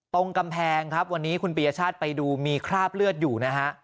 ตรงกำแพงครับวันนี้คุณปียชาติไปดูมีคราบเลือดอยู่นะฮะ